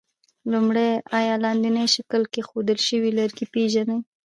لومړی: آیا لاندیني شکل کې ښودل شوي لرګي پېژنئ؟